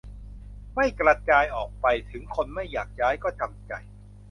ไม่กระจายออกไป ถึงคนไม่อยากย้ายก็จำใจ